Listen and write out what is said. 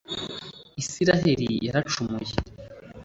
israheli yaracumuye